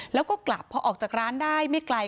แล้วก็กลับพอออกจากร้านได้ไม่ไกล